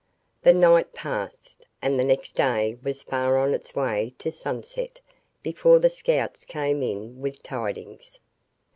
The night passed, and the next day was far on its way to sunset before the scouts came in with tidings.